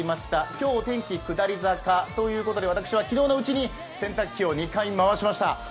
今日、お天気下り坂ということで私は昨日のうちに洗濯機を２回、回しました。